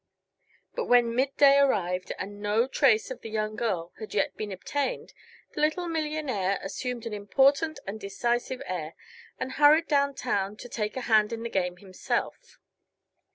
But when midday arrived and no trace of the young girl had yet been obtained the little millionaire assumed an important and decisive air and hurried down town to "take a hand in the game" himself.